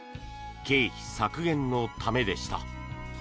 経費削減のためでした。